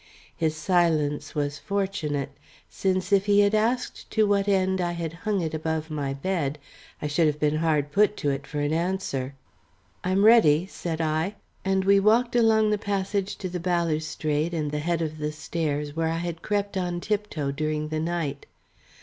His silence was fortunate, since if he had asked to what end I had hung it above my bed, I should have been hard put to it for an answer. "I am ready," said I, and we walked along the passage to the balustrade, and the head of the stairs where I had crept on tiptoe during the night.